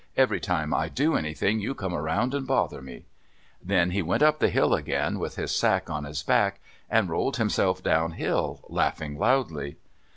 Every time I do anything you come around and bother me!" Then he went up the hill again with his sack on his back, and rolled himself downhill, laughing loudly.